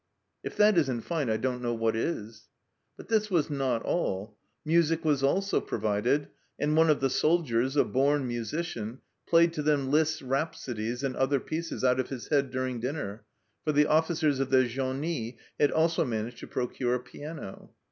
" If that isn't fine, I don't know what is !" But this was not all. Music was also provided, and one of the soldiers, a born musician, played to them Liszt's Rhapsodies and other pieces out of his head during dinner, for the officers of the genie had also managed to procure a piano.